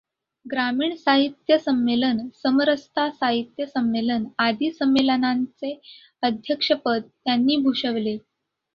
ग्रामीण साहित्य संमेलन, समरसता साहित्य संमेलन आदी संमेलनांचे अध्यक्षपद त्यांनी भूषवले.